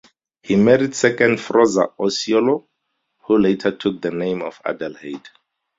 He married second Frozza Orseolo, who later took the name of Adelheid.